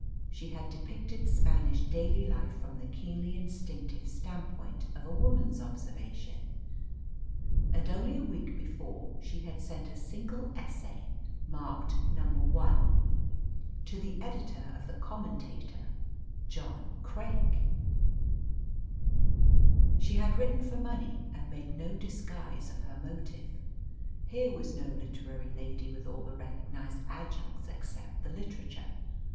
She had depicted Spanish daily life from the keenly instinctive standpoint of a woman's observation; and only a week before she had sent a single essay marked number one to the editor of the Commentator, John Craik. She had written for money, and made no disguise of her motive. Here was no literary lady with all the recognised adjuncts except the literature.